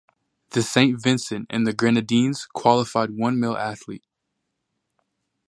The Saint Vincent and the Grenadines qualified one male athlete.